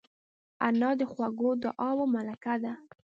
انا د خوږو دعاوو ملکه ده